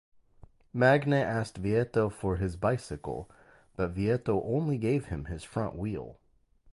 Magne asked Vietto for his bicycle, but Vietto only gave him his front wheel.